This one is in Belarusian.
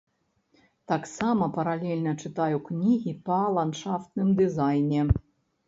Таксама паралельна чытаю кнігі па ландшафтным дызайне.